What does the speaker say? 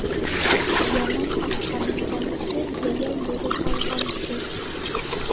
Яман атҡа менгәнсе, йәйәү йөрө талғансы